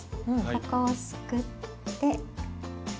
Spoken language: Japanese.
ここをすくって。